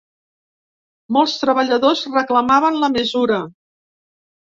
Molts treballadors reclamaven la mesura.